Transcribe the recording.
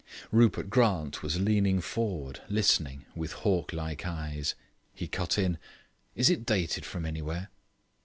Rupert Grant was leaning forward listening with hawk like eyes. He cut in: "Is it dated from anywhere?"